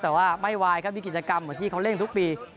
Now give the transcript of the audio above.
แต่ไม่วายครับมีกิจกรรมที่เขาเล่นทุกปี